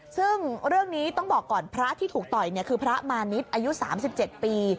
ซึ่งเรื่องนี้ต้องบอกก่อนพระที่ถูกต่อยคือพระมาณิชย์อายุ๓๗ปี